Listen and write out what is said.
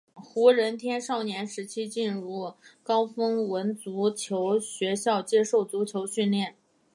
胡人天少年时期进入高丰文足球学校接受足球训练。